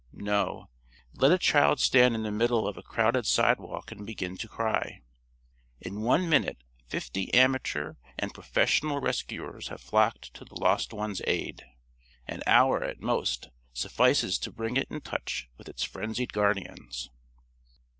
No. Let a child stand in the middle of a crowded sidewalk and begin to cry. In one minute fifty amateur and professional rescuers have flocked to the Lost One's aid. An hour, at most, suffices to bring it in touch with its frenzied guardians.